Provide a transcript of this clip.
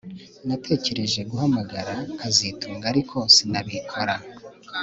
Natekereje guhamagara kazitunga ariko sinabikora